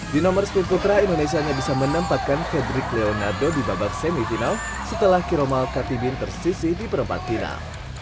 di nomor speed putra indonesia hanya bisa menempatkan fedrik leonardo di babak semifinal setelah kiromal katibin tersisih di perempat final